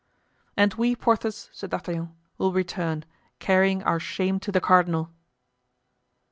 "And we, Porthos," said D'Artagnan, "will return, carrying our shame to the cardinal."